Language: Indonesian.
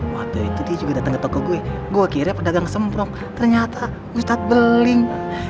waktu itu dia juga datang ke toko gue akhirnya pedagang semprong ternyata ustadz beling